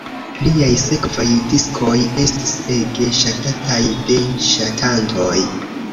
Liaj sekvaj diskoj estis ege ŝatataj de ŝatantoj.